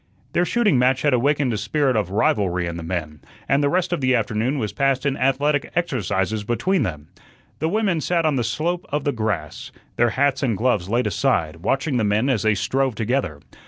Their shooting match had awakened a spirit of rivalry in the men, and the rest of the afternoon was passed in athletic exercises between them. The women sat on the slope of the grass, their hats and gloves laid aside, watching the men as they strove together.